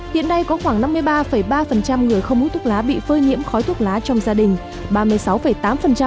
hiện nay có khoảng năm mươi ba ba người không hút thuốc lá bị phơi nhiễm khói thuốc lá trong gia đình